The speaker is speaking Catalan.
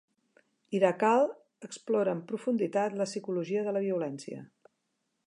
"Irakal" explora amb profunditat la psicologia de la violència.